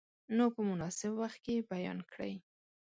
نو په مناسب وخت کې یې بیان کړئ.